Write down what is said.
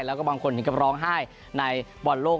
แล้วก็บางคนถึงกับร้องไห้ในบอลโลก